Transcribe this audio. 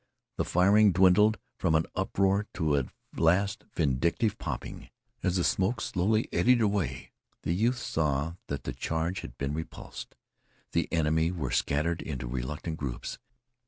The firing dwindled from an uproar to a last vindictive popping. As the smoke slowly eddied away, the youth saw that the charge had been repulsed. The enemy were scattered into reluctant groups.